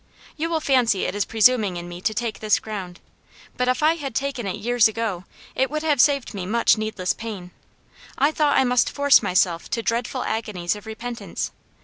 You will fancy it presuming in me to take this ground, but if I had taken it years ago it would have saved me much needless pain. I thought I must force myself to dreadful agonies of repentance.